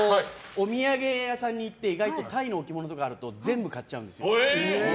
お土産屋さんに行って意外と、タイの置物とかあると全部買っちゃうんですよ。